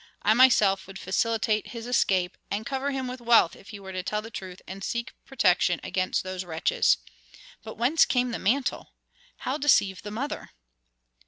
I myself would facilitate his escape, and cover him with wealth if he would tell the truth and seek protection against those wretches. But whence came the mantle? How deceive the mother?"